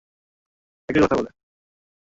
আর আপনি ওনাকে একথা বললেন।